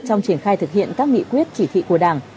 trong triển khai thực hiện các nghị quyết chỉ thị của đảng